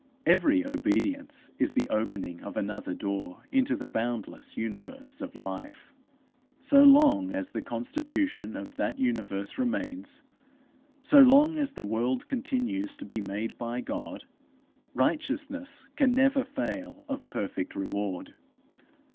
Every obedience is the opening of another door into the boundless universe of life. So long as the constitution of that universe remains, so long as the world continues to be made by God, righteousness can never fail of perfect reward.